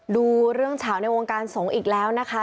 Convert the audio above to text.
ดูเรื่องเฉาในวงการสงฆ์อีกแล้วนะคะ